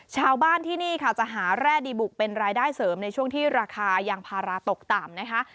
ชาวบ้านที่นี่ค่ะจะหาแร่ดีบุกเป็นรายได้เสริมในช่วงที่ราคายางพาราตกต่ำนะคะ